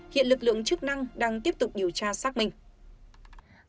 hiện lực lượng chức năng đang tiếp tục điều tra xác minh